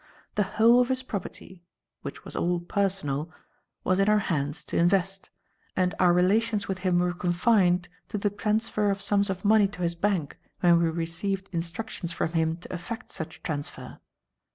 The whole of his property which was all personal was in our hands to invest, and our relations with him were confined to the transfer of sums of money to his bank when we received instructions from him to effect such transfer.